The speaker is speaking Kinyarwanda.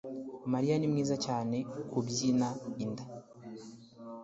Mariya ni mwiza cyane kubyina inda